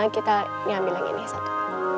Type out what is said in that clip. kita ini ambil yang ini satu